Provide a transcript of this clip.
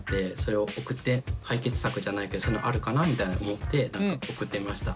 解決策じゃないけどそういうのあるかなみたいな思って送ってみました。